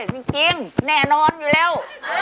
จริงแน่นอนอยู่แล้ว